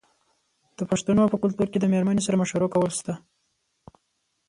د پښتنو په کلتور کې د میرمنې سره مشوره کول شته.